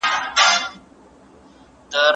آیا بنسټیزه څېړنه ستونزي حلوي؟